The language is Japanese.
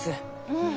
うん。